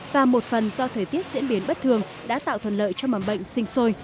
và một phần do thời tiết diễn biến bất thường đã tạo thuận lợi cho mầm bệnh sinh sôi